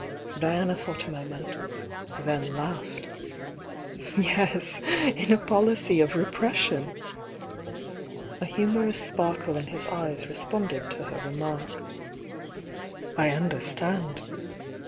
Diana thought a moment — then laughed. "Yes! — in a policy of repression!" A humorous sparkle in his eyes responded to her remark. "I understand!